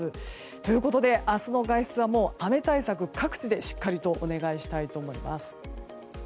ということで明日の外出は雨対策、各地でしっかりお願いしたいと思います。